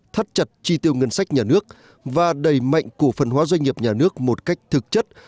thắt chặt tri tiêu ngân sách nhà nước và đẩy mạnh của phần hóa doanh nghiệp nhà nước một cách thực chất